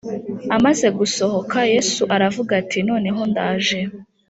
Amaze gusohoka Yesu aravuga ati Noneho ndaje